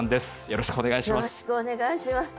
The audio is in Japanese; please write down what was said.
よろしくお願いします。